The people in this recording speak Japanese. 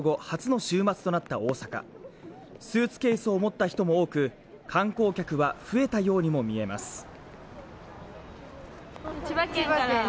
初の週末となった大阪スーツケースを持った人も多く観光客は増えたようにも見えます